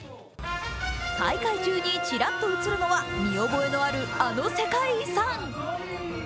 大会中にちらっと映るのは見覚えのある、あの世界遺産。